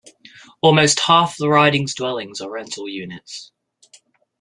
Almost half the riding's dwellings are rental units.